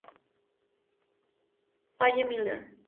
Faye Miller.